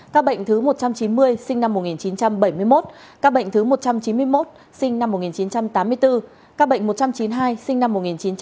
các bệnh thứ một trăm chín mươi sinh năm một nghìn chín trăm bảy mươi một các bệnh thứ một trăm chín mươi một sinh năm một nghìn chín trăm tám mươi bốn các bệnh một trăm chín mươi hai sinh năm một nghìn chín trăm chín mươi